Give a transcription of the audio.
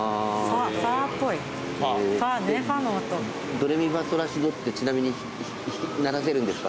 ドレミファソラシドってちなみに鳴らせるんですか？